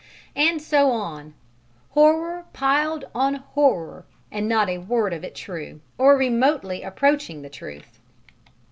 And so on, horror piled on horror, and not a word of it true, or remotely approaching the truth.